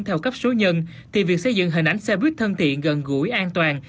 theo cấp số nhân thì việc xây dựng hình ảnh xe buýt thân thiện gần gũi an toàn